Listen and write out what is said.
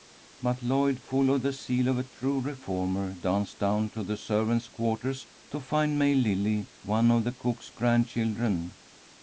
But Lloyd, full of the zeal of a true reformer, danced down to the servants' quarters to find May Lily, one of the cook's grandchildren.